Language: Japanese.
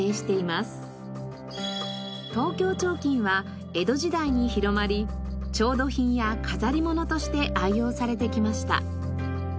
東京彫金は江戸時代に広まり調度品や飾り物として愛用されてきました。